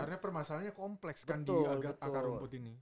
karena permasalahannya kompleks kan di agak akar rumput